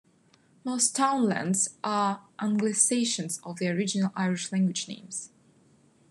Most townlands are anglisations of the original Irish language names.